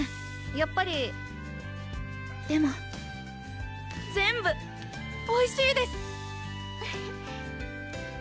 やっぱりでも全部おいしいです！